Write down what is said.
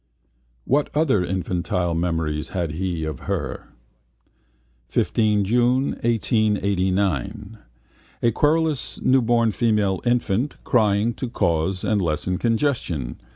What other infantile memories had he of her? 15 June 1889. A querulous newborn female infant crying to cause and lessen congestion.